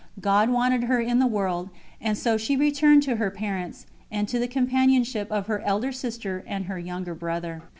God wanted her in the world, and so she returned to her parents, and to the companionship of her elder sister and her younger brother.